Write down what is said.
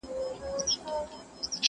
لټوم بایللی هوښ مي ستا د کلي په کوڅو کي.